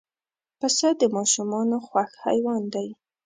پسه د ماشومانو خوښ حیوان دی.